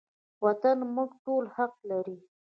وطن په موږ ټولو حق لري